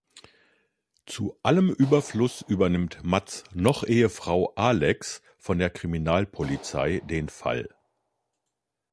Zu allem Überfluss übernimmt Matts Noch-Ehefrau Alex von der Kriminalpolizei den Fall.